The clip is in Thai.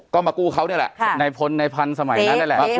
ก็มากู้เขานี่แหละในพลในพันธุ์สมัยนั้นนั่นแหละ